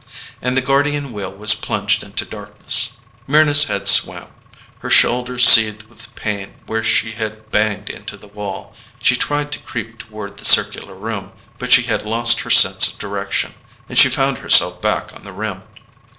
And the Guardian Wheel was plunged into darkness. Mryna's head swam; her shoulder seethed with pain where she had banged into the wall. She tried to creep toward the circular room, but she had lost her sense of direction and she found herself back on the rim.